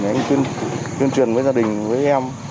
anh tuyên truyền với gia đình với em